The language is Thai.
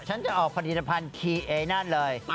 ฉันจะออกผลิตภัณฑ์คีเอนั่นเลย